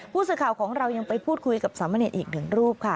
ผู้สื่อข่าวของเรายังไปพูดคุยกับสามเณรอีกหนึ่งรูปค่ะ